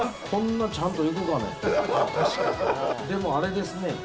こんなちゃんといくかね。